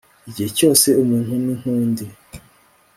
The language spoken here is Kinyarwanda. igihe cyose umuntu ni nk'undi